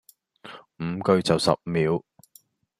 五句就十秒